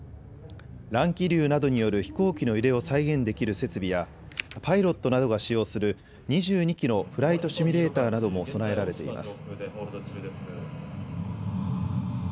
乱気流などによる飛行機の揺れを再現できる設備や、パイロットなどが使用する２２機のフライトシミュレーターなども備えられています。